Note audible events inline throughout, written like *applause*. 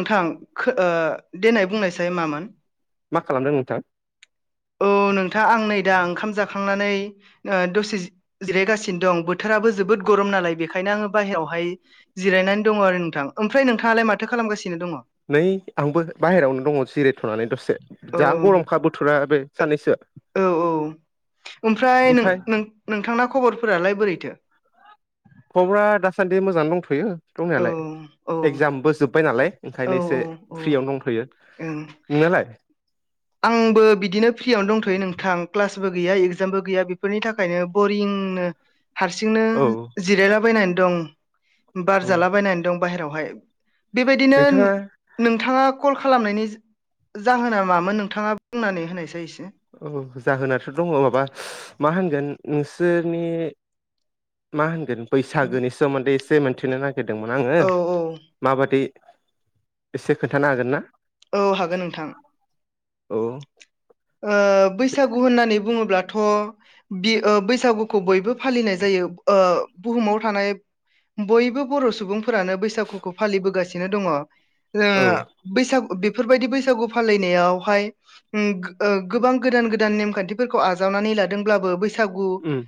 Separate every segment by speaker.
Speaker 1: नोंथां खो ओ देनाय बुंनायसाय मामोन
Speaker 2: मा खालामदों नोंथां
Speaker 1: औ औ नोंथा आं नै दा ओंखाम जाखांनानै ओ दसे जिरायगानो दङ बोथोराबो जोबोद गरम नालाय बेखायनो आङो बाहेरावहाय जिरायनानै दङ आरो नोंथां ओमफ्राय नोंथाङालाय माथो खालामगासिनो दङ?
Speaker 2: नै आंबो बाहेरायावनो दङ जिरायथ'नानै दसे
Speaker 1: औ
Speaker 2: जा गरमखा बोथोरा बे सानैैसो
Speaker 1: औ औ ओमफ्राय नों नोंथांना खबरफोरालाय बोरैथो
Speaker 2: खबरा दासान्दि मोजाङानो दंथ'यो
Speaker 1: औ
Speaker 2: दंनायालाय
Speaker 1: औ
Speaker 2: एगजामबो जोब्बाय नालाय
Speaker 1: औ
Speaker 2: ओंखायनो एसे
Speaker 1: औ
Speaker 2: फ्रियावनो दंथ'यो
Speaker 1: ओं
Speaker 2: नोंनालाय
Speaker 1: आंबो बिदिनो फ्रियावनो दंथ'यो नोंथां क्लास बो गैया इजामबो गैया बेफोरनि थाखायनो बरिंनो हारसिंनो
Speaker 2: औ
Speaker 1: जिरायलाबायनानै दं बार
Speaker 2: औ
Speaker 1: जालाबायनानै दं बाहेरायावहाय बेबायदिनो
Speaker 2: नोंथाङा
Speaker 1: नोंथाङा कल खालामनायनि जाहोना मामोन नोंथाङा बुंनानै होनायसै एसे
Speaker 2: औ जाहोनाथ' दङ माबा मा होनगोन नोंसोरनि मा होनगोन बैसागोनि सोमोन्दै एसे मोनथिनो नागिरदोंमोन आङो
Speaker 1: औ औ
Speaker 2: माबादि एसे खोन्थानो हागोन ना?
Speaker 1: औ हागोन नोंथां।
Speaker 2: औ
Speaker 1: ओ बैसागु होननानै बुङोब्ला थ' बे बैसागुखौ बयबो फालिनाय जायो बुहुमाव थानाय बयबो बर' सुबुंफोरानो बैसागुखौ फालिबोगासिनो दङ।
Speaker 2: औ
Speaker 1: बैसागु बेफोरबायदि बैसागु फालिनायावहाय गोबां गोदान गोदान नेमखान्थिफोरखौ आजावनानै लादोंब्लाबो बै बसागु
Speaker 2: उम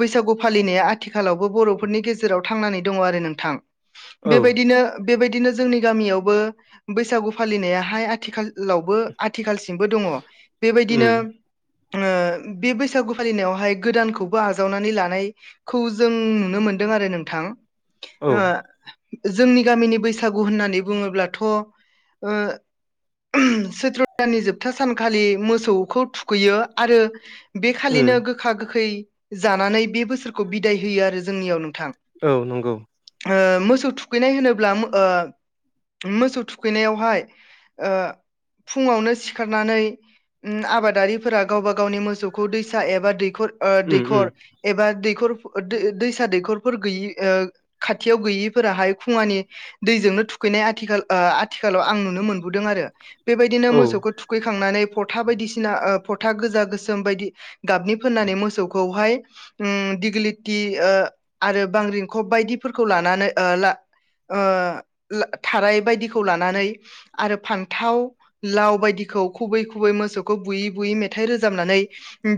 Speaker 1: बैसागु फालिनाया आथिखालावबो बर'फोरनि गेजेराव थांनानै दङ आरो नोंथां
Speaker 2: औ
Speaker 1: बेबायदिनो बेबायदिनो जोंनि गामियावबो बैसागु फालिनायाहाय आथिखालावबो आथिखालसिमबो दङ । बेबायदिनो
Speaker 2: उम
Speaker 1: ओ बे बैसागु फालिनायावहाय गोदानखौबो आजावनानै लानायखौ जों नुनो मोनो। मोनदों आरो नोंथां।
Speaker 2: औ
Speaker 1: जोंनि गामिनि बैसागु होननानै बुङोब्लाथ' सैत्र दाननि जोबथा सानखालि मोसौखौ थुखैयो आरो बे
Speaker 2: उम
Speaker 1: खालिनो गोखा गोखै जानानै बे बोसोरखौ बिदाय होयो आरो जोंनियाव नोंथां
Speaker 2: औ नंगौ।
Speaker 1: ओ मोसौ थुखैनाय होनोब्ला ओ मोसौ थुखैनायावहाय फुङावनो सिखारनानै आबादारिफोरा गावबा गावनि मोसौखौ दैसा एबा दैखर
Speaker 2: उम उम
Speaker 1: दैखर एबा दै दैसा दैखफोर गोयि ओ खाथियाव गोयिफोराहाय खुंङानि दै *unintelligible* ओ आथिखालाव आं नुनोमोनबोदों आरो बेबायदिनो
Speaker 2: औ
Speaker 1: मोसौखौ थुखैखांनानै था बायदिसिना फथा गोजा गोसोम बायदि गाबनि फोननानै मोसौखौहाय लि आरो बां रिंखब बायदिफोरखौ लानानै ओ *unintelligible* थाराय बायदिखौ लानानै आरो फान्थाव लाव बायदिखौ खुबै खुबै मोसौखौ बुयै बुयै मेथाइ रोजाबनानै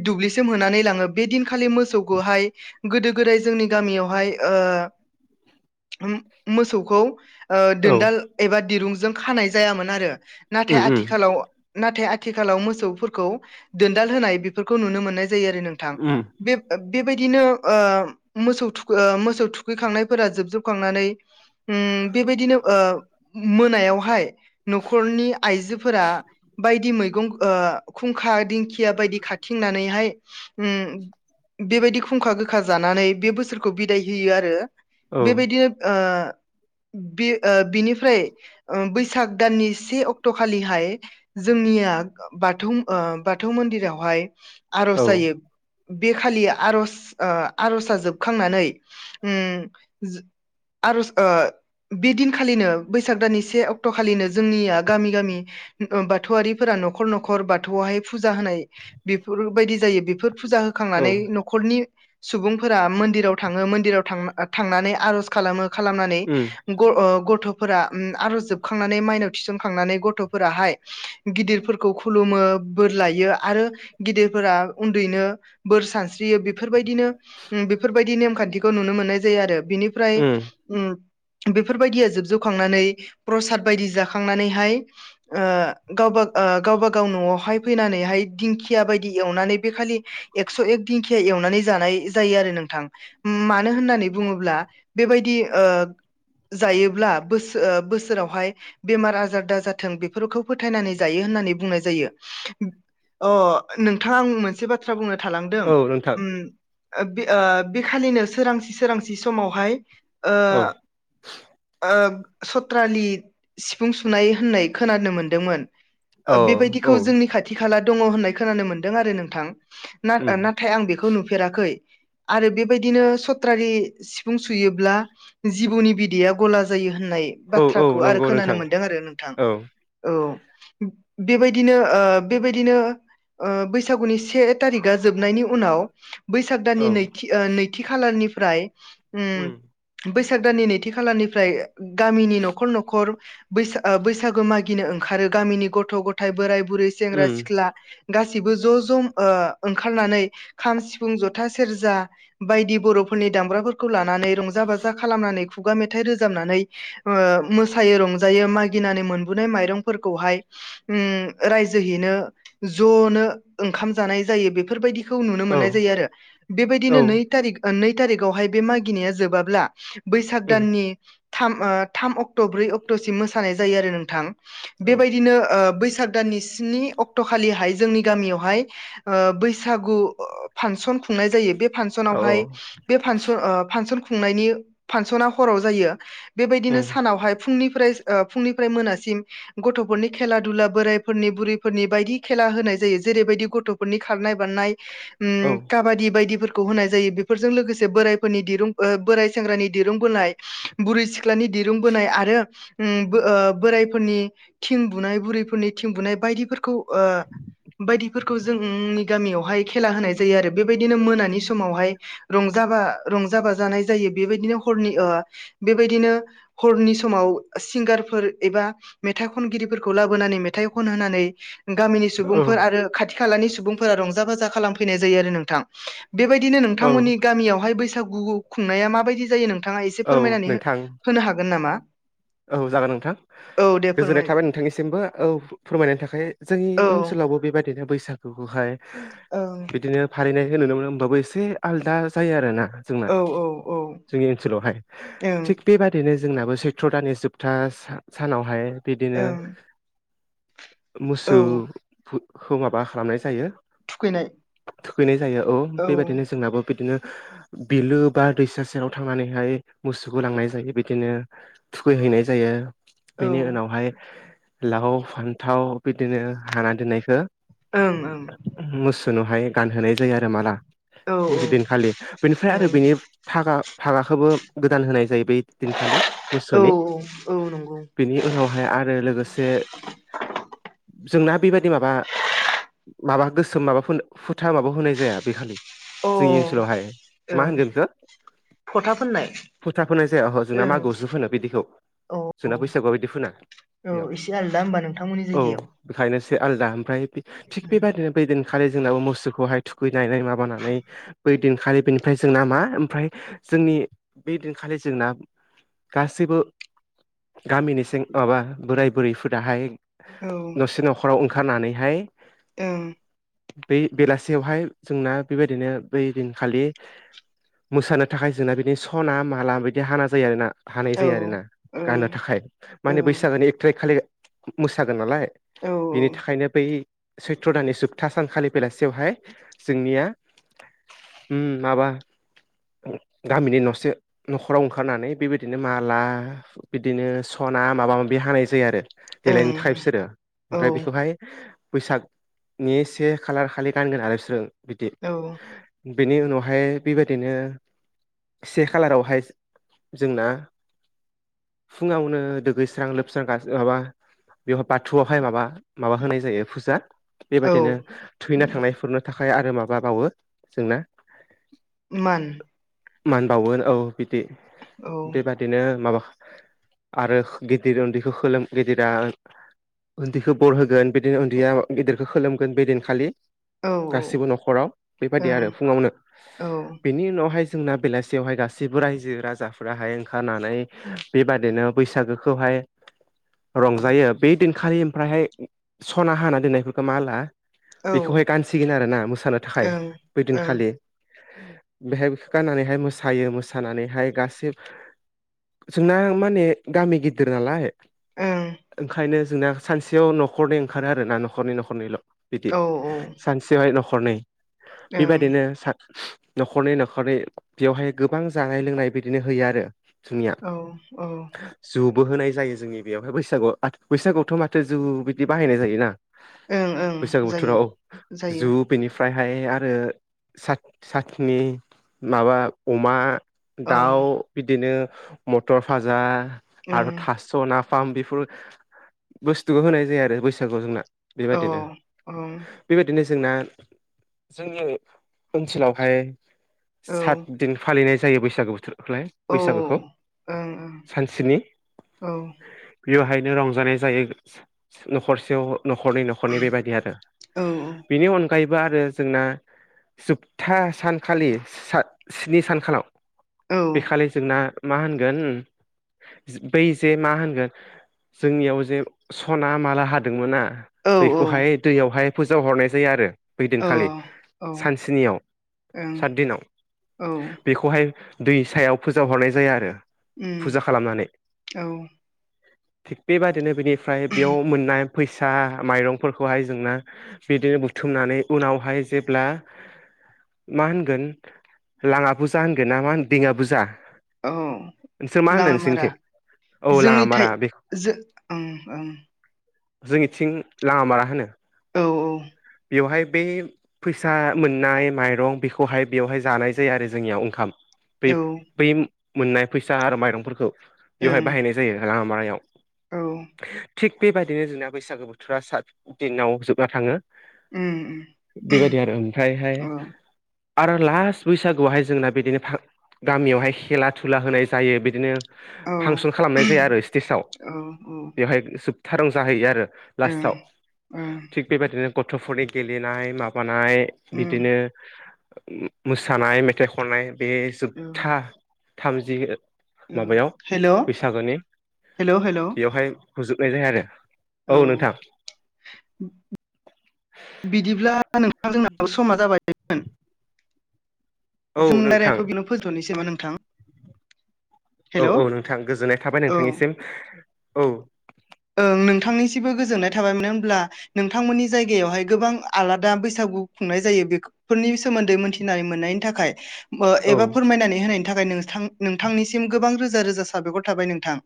Speaker 1: दुब्लिसिम होनानै लाङो बे दिनखालि मोसौखौहाय गोदो गोदाय जोंनि गामियावहाय मोसौखौ
Speaker 2: औ
Speaker 1: दोनदाल एबा दिरुंजों खानाय जायामोन आरो नाथाय
Speaker 2: उम उम
Speaker 1: आथिखालाव नाथाय आथिखालाव मोसौफोरखौ दोनदाल होनाय बेफोरखौ नुनो मोननाय जायो आरो नोंथां
Speaker 2: उम
Speaker 1: बे बेबायदिनो मोसौ थुखै मोसौ थुखैखांनायफोरा जोबजोबखांनानै बेबायदिनो ओ मोनायावहाय न'खरनि आइजोफोरा बायदि मै खुंखा दिंखिया बायदि खाथिंनानैहाय ओम बेबायदि खुंखा गोखा जानानै बे बोसोरखौ बिदाय होयो आरो
Speaker 2: औ
Speaker 1: बेबायदिनो *inaudible* *unintelligible* बे ओ बिनिफ्राय ओ बैसाग दाननि से अक्ट' खालिहाय जोंनिया बाथौ ओ बाथौ मन्दिरावहाय
Speaker 2: औ
Speaker 1: आर'ज जायो। बेखालि आर'ज ओ आर'ज आं जोबखांनानै उम आर'ज ओ बे दिनखालिनो बैसाग दाननि से अक्ट' खालिनो जोंनिया गामि गामि बाथौआरिफोरा न'खर न'खर न'खर बाथौआवहाय फुजा होनाय बेफोरबायदि जायो बेफोर फुजा
Speaker 2: औ
Speaker 1: होखांनानै न'खरनि सुबुंफोरा मन्दिराव थाङो मन्दिराव थां थांनानै आर'ज खालामो। खालामनानै
Speaker 2: उम
Speaker 1: गथ' आर'ज जोबखांनानै माइनाव थिनखांनानै गथ'फोराहाय गिदिरफोरखौ खुलुमो बोर लायो आरो गिदिरफोरा उन्दैनो बोर सानस्रियो। बेफोरबायदिनो बेफोरबायदि नेमखान्थिखौ नुनो मोननाय जायो आरो बिनिफ्राय
Speaker 2: उम
Speaker 1: उ बेफोरबायदिया जोबजोबखांनानै प्रसाद बायदि जाखांनानैहाय गावबा गावबा गाव न'आवहाय फैनानैहाय दिंखिया बायदि एवनानै बे खालि एकस' एक दिंखिया एव- नानै जानाय जायो आरो नोंथां। मानो होननानै बुङोब्ला बेबायदि जायोब्ला बोसो ओ बोसोरावहाय बेमार आजार दाजाथों बेफोरखौ फोथायनानै जायो होननानै बुंनाय जायो। अ नोंथां आं मोनसे बाथ्रा बुंनो - थालांदों
Speaker 2: औ नोंथां
Speaker 1: उम बे ओ बेखालिनो सोरांसि सोरांसि समावहाय ओ
Speaker 2: औ
Speaker 1: ओ सत्रालि सिफुं सुनाय होननाय खोनानो मोनदोंमोन
Speaker 2: औ
Speaker 1: बेबायदिखौ
Speaker 2: औ
Speaker 1: जोंनि खाथि खाला दङ होननाय खोनानो मोनदों आरो नोंथां। ना
Speaker 2: उम
Speaker 1: नाथाय आं बेखौ नुफेराखै आरो बेबायदिनो सथ्रालि सिफुं सुयोब्ला जिबौनि बिदैया गला जायो होननाय
Speaker 2: औ औ
Speaker 1: बाथ्राखौ आरो
Speaker 2: नंगौ नोंथां
Speaker 1: खोनानो मोनदों आरो नोंथां
Speaker 2: औ
Speaker 1: औ बेबायदिनो ओ बेबायदिनो ओ बैसागुनि से थारिका जोबनायनि उनाव बैसाग
Speaker 2: औ
Speaker 1: दाननि नैथि नैथि खालारनिफ्राय उम बैसाग दाननि नैथि खालारनिफ्राय गामिनि न'खर न'खर बैसाख ओ बैसागु मागिनो ओंखारो गामिनि गथ'-गथाय, बोराय-बुरै, सेंग्रा
Speaker 2: उम
Speaker 1: सिख्ला गासै गासिबो ज' ज' ओ ओंखारनानै खाम सिफुं जथा सेरजा बायदि बर'फोरनि दामग्राफोरखौ लानानै रंजा बाजा खालामनानै खुगा मेथाइ रोजाबनानै ओ मोसायो रंजायो मागिनानै मोनबोनाय माइरंफोरखौहाय उम रायजोहैनो ज' नो ओंखाम जानाय जायो बेफोरबायदि खौ नुनो
Speaker 2: औ
Speaker 1: मोननाय जायो आरो
Speaker 2: उम औ
Speaker 1: बेबायदिनो नै थारिख नै थारिखावहाय बे मागिनाया जोबाब्ला बैसाग
Speaker 2: उम औ
Speaker 1: दाननि थाम थाम अक्ट' ब्रै अक्ट'सिम मोसानाय जायो आरो नोंथां
Speaker 2: औ
Speaker 1: बेबायदिनो बैसाग दाननि स्नि अक्ट' खालिहाय जोंनि गामियावहाय ओ बैसागु फांसन खुंनाय जायो बे
Speaker 2: औ
Speaker 1: फांसनहाय बे फांसन ओ फांसन खुंनायनि फांसना हराव जायो बेबायदिनो सानावहाय फुंनिफ्राय ओ फुंनिफ्राय मोनासिम गथ'फोरनि खेला दुला बोरायफोरनि बुरैफोरनि बायदि खेला होनाय जायो जेरैबायदि गथ'फोरनि खारनाय बारनाय ओम काबादि बायदिफोरखौ होनाय जायो। बेफोरजों लोगोसे बोरायफोरनि दिरुं बोराय सेंग्रानि दिरुं बोनाय बुरै सिख्लानि दिरुं बोनाय आरो ओम ओ बोरायफोरनि थिं बुनाय बुरैफोरनि थिं बुनाय बायदिफोरखौ ओ बायदिफोरखौ जोंनि गामियावहाय खेला होनाय जायो आरो। बेबायदिनो मोनानि समावहाय रंजा जाबा रंजा बाजानाय जायो बेबायदिनो हरनि ओ बेबायदिनो हरनि समाव सिंगारफोर एबा मेथाइ खनगिरिफोरखौ लाबोनानै मेथाइ खनहोनानै गामिनि सुबुंफोर आरो खाथि खालानि सुबुंफोरा रंजा बाजा खालामफैनाय जायो आरो नोंथां। बेबायदिनो
Speaker 2: औ
Speaker 1: नोंथांमोननि गामियावहाय बैसा- गुखौ खुंनाया माबायदि जायो नोंथाङा एसे
Speaker 2: औ
Speaker 1: फोरमायनानै हो
Speaker 2: नोंथां
Speaker 1: होनो हागोन नामा?
Speaker 2: औ जागोन नोंथां
Speaker 1: औ दे
Speaker 2: गोजोननाय
Speaker 1: फोरमायदो
Speaker 2: था- बाय नोंथांनिसिमबो फोरमायनायनि थाखाय। जोंनि
Speaker 1: औ
Speaker 2: ओनसोलावबो बेबायदिनो बैसागुखौहाय
Speaker 1: ओं
Speaker 2: बिदिनो फालिनायखौ नुनो मोनो होमबाबो एसे आलदा जायो आरो ना जोंना
Speaker 1: औ औ
Speaker 2: जोंनि ओनसोलावहाय
Speaker 1: ओं
Speaker 2: थिग बेबादिनो जोंनाबो सै- थ्र दानि जोबथा सानावहाय बिदिनो
Speaker 1: ओं औ
Speaker 2: मोसौखौ माबा खालामनाय जायो
Speaker 1: थुखैनाय
Speaker 2: थुखैनाय जायो औ बेबायदिनो जोंनाबो बिदिनो बिलो बा दैसा सेराव थांनानैहाय मोसौखौ लांनाय जायो बिदिनो थुखैहैनाय जायो
Speaker 1: औ
Speaker 2: बेनि उनावहाय लाव फान्थाव बिदिनो हाना दोननायखौ
Speaker 1: ओं ओं
Speaker 2: मोसोनोहाय गानहोनाय जायो आरो माला
Speaker 1: औ ओं
Speaker 2: बेदिनखालि बेनिफ्राय
Speaker 1: औ
Speaker 2: आरो बेनि थाखागा हागाखौबो गोदान होनाय जायो बै दिनखालि
Speaker 1: औ
Speaker 2: मोसौनि
Speaker 1: औ नंगौ
Speaker 2: बेनि उनावहाय आरो लोगोसे जोंना बेबायदि माबा माबा गोसोम माबा फुथा माबा होनाय जाया बे खालि
Speaker 1: अ
Speaker 2: जोंनि ओनसोलावहाय मा
Speaker 1: ओं
Speaker 2: होनगोन बेखौ
Speaker 1: फथा फोननाय
Speaker 2: फुथा फोनाय जाया जोंना
Speaker 1: ओं
Speaker 2: मागोआव सो फोनो बिदिखौ
Speaker 1: औ औ
Speaker 2: जोंना बैसागु आव बिदि फोना
Speaker 1: औ
Speaker 2: बेयाव
Speaker 1: एसे आलदा होमबा नोंथांमोननि
Speaker 2: औ
Speaker 1: जायगायाव
Speaker 2: बेखायनोसै आलदा ओमफ्राय थिग बेबायदिनो बेदिन खालि जोंनाबो मोसौखौहाय थुखैनानै माबानानै बै दिनखालि बेनिफ्राय जोंना मा ओमफाय जोंनि बे दिनखालि जोंना
Speaker 1: *inaudible*
Speaker 2: गासैबो गामिनि सें माबा बोराय बुरैफोराहाय
Speaker 1: औ
Speaker 2: नसे न'खराव ओंखारनानैहाय
Speaker 1: ओं
Speaker 2: बै बेलासियावहाय जोंना बेबायदिनो बै दिनखालि मोसानो थाखाय जोंना बिनि सना माला बिदि हाना जायो आरोना हानाय
Speaker 1: औ
Speaker 2: जायो आरोना
Speaker 1: ओं
Speaker 2: गाननो थाखाय माने
Speaker 1: ओं
Speaker 2: बैसागो एकटारिक खालि मोसागोन नालाय
Speaker 1: औ
Speaker 2: बिनि थाखायनो बै सैत्र' दाननि जोब्था सान खालिबेलासेयावहाय जोंनिया अम माबा गामिनि नसे न'खराव ओंखारनानै बेबाय बिदिनो माला बिदिनो सना माबा माबि हानाय जायो आरो। देलायनो
Speaker 1: ओं
Speaker 2: टाइपसोरो ओमफ्राय
Speaker 1: ओं
Speaker 2: बेखौहाय बैसागनि से खालार खालि गानगोन आरो बिसोरो बिदि
Speaker 1: औ
Speaker 2: बेनि उनावहाय बेबायदिनो से खालारावहाय जोंना फुंङावनो दुगैस्रां लोबस्रां माबा बेवहाय बाथौआवहाय माबा माबा होनाय जायो फुजा
Speaker 1: औ
Speaker 2: बेबायदिनो थैना थांनायफोरनो था खाय आरो माबा बावो जोंना
Speaker 1: मान
Speaker 2: मान बावो औ बिदि
Speaker 1: औ
Speaker 2: बेबादिनो माबा आरो गिदिर उन्दैखौ खोलोम गिदिरा उन्दैखौ बर होगोन बिदिनो उन्दैया गिदिरखौ खोलोमगोन बेदिनखालि
Speaker 1: औ ओं
Speaker 2: गासिबो न'खराव बेबादि
Speaker 1: औ
Speaker 2: आरो फुंङावनो
Speaker 1: औ ओं
Speaker 2: बेनि उनावहाय जोंना बेलासियावहाय गासिबो रायजो राजा फोराहाय ओंखारनानै बेबादिनो बैसागोखौहाय रंजायो बे दिन खालि ओमफ्रायहाय सना हाना दोननायफोरखौ माला
Speaker 1: ओं औ
Speaker 2: बेखौहाय गानसिगोन आरोना मोसानो
Speaker 1: औ
Speaker 2: थाखाय बैदिनखालि बेहाय बेखौ गाननानैहाय मोसायो मोसानानैहाय गासै जोंना माने गामि गिदिर नालाय ओंखायनो जोंना सानसेयाव न'खरनै ओंखारो आरो ना न'खरनै न'खरनैल' बिदि सानसेयावहाय न खरनै
Speaker 1: ओं
Speaker 2: बेबायदिनो सा न'खरनै न'खरनै बेवहाय गोबां जानाय लोंनाय बिदिनो होयो आरो। जोंनिया
Speaker 1: औ औ
Speaker 2: जु बोहोनाय जायो जोंनि बेयावहाय बैसागु बैसागुआवथ' माथो जु बिदि बाहायनाय जायोना।
Speaker 1: ओं
Speaker 2: बैसागु
Speaker 1: ओं जायो
Speaker 2: बोथोराव जु
Speaker 1: जायो
Speaker 2: बेनिफ्राय ओमफ्राय आरो सा-साखनि माबा अमा
Speaker 1: औ
Speaker 2: दाउ बिदिनो मथर भाजा आरो
Speaker 1: ओं
Speaker 2: थास' ना फाम बेफोर बुस्थुखौ होनाय जाया आरो बैसागुआव जोंना।
Speaker 1: औ
Speaker 2: बेबायदिनो
Speaker 1: औ
Speaker 2: बेबायदिनो जोंना जोंनि ओनसोलावहाय
Speaker 1: औ
Speaker 2: सात दिन फालिनाय जायो बैसागो बोथोरखौलाय
Speaker 1: औ
Speaker 2: बैसागोखौ
Speaker 1: ओं ओं
Speaker 2: सानसेनि बेवहायनो रंजानाय जायो न'खरसेयाव न'खरनि-न'खरनि बेबायदि आरो
Speaker 1: औ
Speaker 2: बिनि अन जायोबा आरो जोंना जोबथा सानखालि स्नि सानखालाव बेखालि जोंना मा होनगोन उम बै जे मा होनगोन जोंनियाव जे स'ना माला हादोंमोना
Speaker 1: औ
Speaker 2: बैखौहाय दैयावहाय फोजाव हरनाय जायो आरो बै
Speaker 1: औ
Speaker 2: दिनखालि
Speaker 1: औ
Speaker 2: सान स्नियाव
Speaker 1: ओं
Speaker 2: सात दिनाव।
Speaker 1: औ
Speaker 2: बेखौहाय दै सायाव फोजाहरनाय जायो आरो
Speaker 1: उम
Speaker 2: फुजा खालामनानै
Speaker 1: औ
Speaker 2: थिग बेबायदिनो बेनिफ्राय बेयाव मोननाय फैसा माइरंफोरखौहाय जोंना बिदिनो बुथुमनानै उनावहाय जेब्ला मा होनगोन लाङा फुजा होनगोन ना मा होन दिङा फुजा
Speaker 1: औ
Speaker 2: नोंसोर मा होनो
Speaker 1: लामामारा
Speaker 2: नोंसोरनिखि?
Speaker 1: जोंनिथाय जो ओं ओं
Speaker 2: जोंनिथिं लामाामारा होनो।
Speaker 1: औ औ
Speaker 2: बेवहाय बे फैसा मोननाय माइरं बेखौहाय बेवहाय जानाय जायो आरो जोंनियाव ओंखाम बै
Speaker 1: औ
Speaker 2: बै मोननाय फैसा आरो माइरंफोरखौ बेवहाय
Speaker 1: ओं
Speaker 2: बाहायनाय जायो लाङा मारायाव
Speaker 1: औ
Speaker 2: थिग बेबायदिनो जोंना बैसागो बोथोरा सात दिनाव जोबना थाङो।
Speaker 1: उम उम
Speaker 2: बेबायदि आरो ओमफ्राय हाय
Speaker 1: औ
Speaker 2: आरो लास्ट बैसागुआवहाय जोंना बिदिनो गामियावहाय खेला-धुला होनाय जायो बिदिनो
Speaker 1: औ
Speaker 2: फांसन खालामनाय जायो आरो स्टेस आव
Speaker 1: ओं ओं
Speaker 2: बेवहाय‌ जोबथा रंजाहैयो आरो लाास्त‌आव थिग बेबायदिनो गथ'फोरनि गेलेनाय माबा नाय
Speaker 1: उम
Speaker 2: बिदिनो मोसानाय, मेथाइ खननाय बे
Speaker 1: औ
Speaker 2: जोबथा थामजि
Speaker 1: औ
Speaker 2: माबायाव
Speaker 1: हेल'
Speaker 2: बैसागोनि
Speaker 1: हेलौ हेलौ
Speaker 2: बेयावहाय फोजोबनाय जायो आरो
Speaker 1: औ बिदिब्ला दा नोंथां जोंनाबो समा जाबायमोन
Speaker 2: औ
Speaker 1: जों
Speaker 2: नोंथां
Speaker 1: रायलायखौ बेनाव फोजोबथ'नोसै नामा नोंथां?
Speaker 2: औ
Speaker 1: हेलौ
Speaker 2: औ नोंथां गोजोननाय थाबाय
Speaker 1: औ
Speaker 2: नोंथांनिसिम। औ
Speaker 1: ओं नोंथांनिसिमबो गोजोननाय थाबाय मानो होनब्ला नोंथांमोननि जायगायावहाय गोबां आलादा बैसागु खुंनाय जायो बेफोरनि सोमोन्दै मोनथिनानै मोननायनि थाखाय
Speaker 2: औ
Speaker 1: एबा ओ फोरमायनानै होनायनि थाखाय नोंथां-नोंथांनिसिम गोबां रोजा-रोजा साबायखर थाबाय नोंथां।